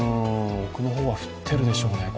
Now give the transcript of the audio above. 奥の方は降ってるでしょうね。